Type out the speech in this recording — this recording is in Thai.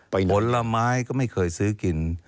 ผลไม้ก็ไม่เคยซื้อกิน